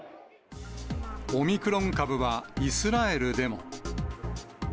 オミクロン株はイスラエルでも。